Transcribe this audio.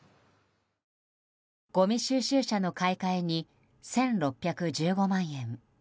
ごみ収集車の買い替えに１６１５万円。